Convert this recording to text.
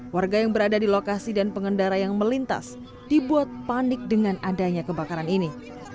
warga yang berada di lokasi dan pengendara yang melintas dibuat panik dengan adanya kebakaran ini